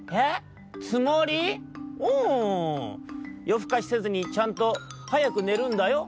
よふかしせずにちゃんとはやくねるんだよ」。